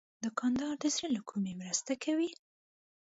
دوکاندار د زړه له کومي مرسته کوي.